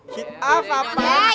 kita ngapain sih di sini eh